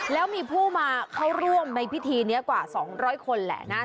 แล้วมีผู้มาเข้าร่วมในพิธีนี้กว่า๒๐๐คนแหละนะ